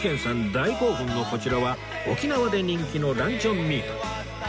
大興奮のこちらは沖縄で人気のランチョンミート